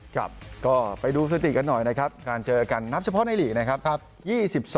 ครับก็ไปดูสถิติกันหน่อยนะครับการเจอกันนับเฉพาะในหลีกนะครับ